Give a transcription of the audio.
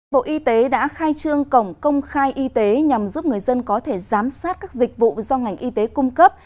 bộ y tế đã khai trương cổng công khai y tế nhằm giúp người dân có thể giám sát các dịch vụ do ngành y tế cung cấp